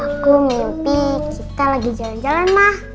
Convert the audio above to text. aku mimpi suka lagi jalan jalan mah